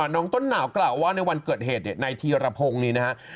น้องต้นหนาวกล่าวว่าในวันเกิดเหตุในทีรพงศ์นี้นะ